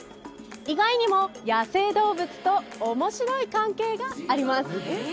意外にも野生動物と面白い関係があります